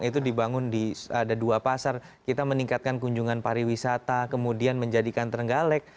itu dibangun di ada dua pasar kita meningkatkan kunjungan pariwisata kemudian menjadikan trenggalek